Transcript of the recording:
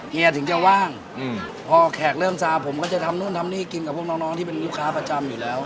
เยถึงจะว่างพอแขกเริ่มซาผมก็จะทำนู่นทำนี่กินกับพวกน้องที่เป็นลูกค้าประจำอยู่แล้ว